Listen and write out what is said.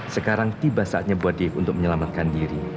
sekarang tiba saatnya buat diem untuk menyelamatkan diri